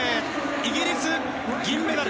イギリス銀メダル。